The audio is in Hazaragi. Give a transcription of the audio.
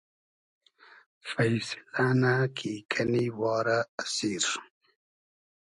فݷسیلۂ نۂ کی کئنی وا رۂ اسیر